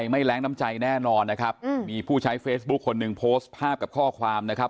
ไม่แรงน้ำใจแน่นอนนะครับมีผู้ใช้เฟซบุ๊คคนหนึ่งโพสต์ภาพกับข้อความนะครับ